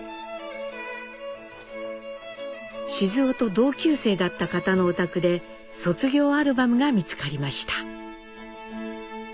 雄と同級生だった方のお宅で卒業アルバムが見つかりました。